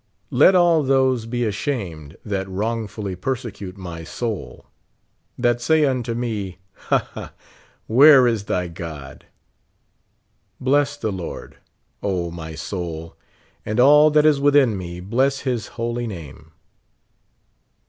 "Let all those be ashamed that wrongfully perse cute my soul ; that say unto me, ha, ha, where is thy God?" Bless the Lord, O my soul, and all that is within me bless his holy name.